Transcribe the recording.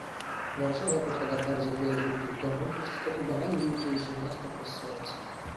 "Warszawa posiada bardzo wiele żółtych domów; jest to chyba najżółciejsze miasto pod słońcem."